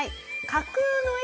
架空の駅？